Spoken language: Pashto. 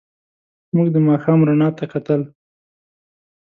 موږ د ماښام رڼا ته کتل.